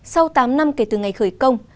sau tám năm kể từ ngày khởi công